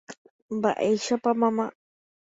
Mba'éichapa mamá.